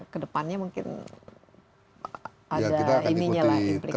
kedepannya mungkin ada ini nyalah implikasi